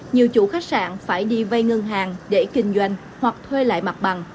nhiều chủ khách sạn phải đi vay ngân hàng để kinh doanh hoặc thuê lại mặt bằng